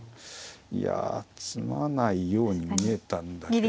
いや詰まないように見えたんだけど。